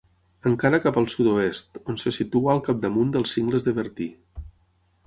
Encara cap al sud-oest, on se situa al capdamunt dels Cingles de Bertí.